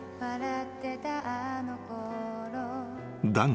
［だが］